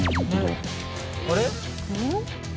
あれ？